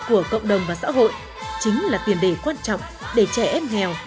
của cộng đồng và xã hội chính là tiền đề quan trọng để trẻ em nghèo